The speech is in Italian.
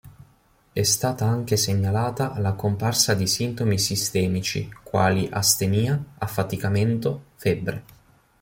È stata anche segnalata la comparsa di sintomi sistemici quali astenia, affaticamento, febbre.